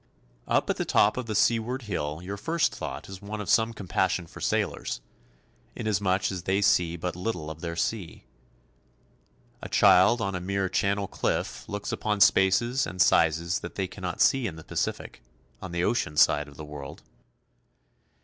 Up at the top of the seaward hill your first thought is one of some compassion for sailors, inasmuch as they see but little of their sea. A child on a mere Channel cliff looks upon spaces and sizes that they cannot see in the Pacific, on the ocean side of the world.